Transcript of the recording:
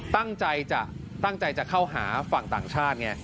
ตั้งใจจะเข้าหาฝั่งต่างชาติไง